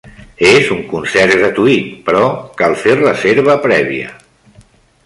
És un concert gratuït, però cal fer reserva prèvia.